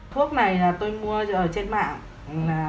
thuốc này tôi mua ở trên mạng